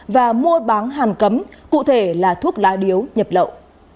và mua bán hàng cấm cụ thể là thuốc lá điếu nhập lậu